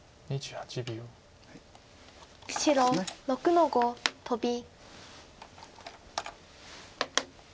白６の五トビ。